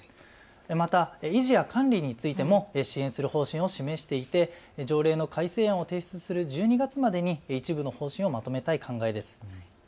また維持や管理についても支援する方針を示していて条例の改正案を提出する１２月までに一部の方針をまとめたい考えです。